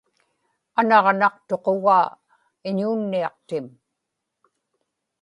anaġnaqtuqugaa iñuunniaqtim